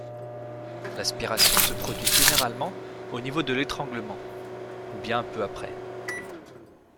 L'aspiration se produit généralement au niveau de l'étranglement, ou bien un peu après.